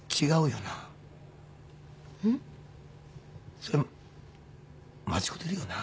それ間違うてるよな？